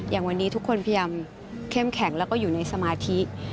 อย่างวันนี้ทุกคนพยายามเข้มแข็งแล้วก็อยู่ในสมาธิ